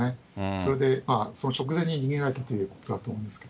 それでその直前に逃げられたということだと思いますけど。